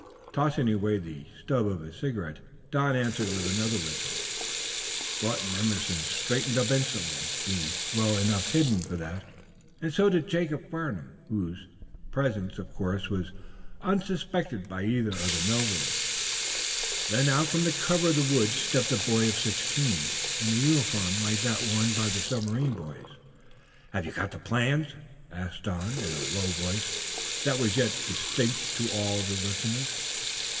Tossing away the stub of his cigarette, Don answered with another whistle. Broughton Emerson straightened up instantly, being well enough hidden for that, and so did Jacob Farnum, whose presence, of course, was unsuspected by either of the Melvilles. Then out from the cover of the woods stepped a boy of sixteen, in a uniform like that worn by the submarine boys. "Have you got the plans?" asked Don, in a low voice that was yet distinct to all the listeners.